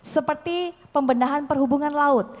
seperti pembendahan perhubungan laut